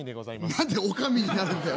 何で女将になるんだよ。